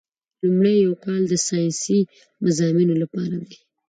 لومړی یو کال د ساینسي مضامینو لپاره دی.